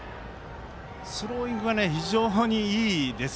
スローイングが非常にいいです。